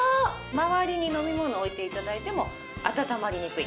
周りに飲み物置いて頂いても温まりにくいです。